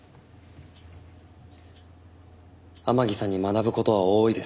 天樹さんに学ぶ事は多いです。